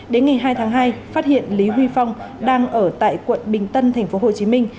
đến ngày hai tháng hai phát hiện lý huy phong đang ở tại quận bình tân thành phố hồ chí minh